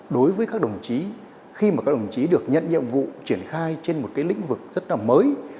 đối với các đồng chí khi mà các đồng chí được nhận nhiệm vụ triển khai trên một cái lĩnh vực rất là mới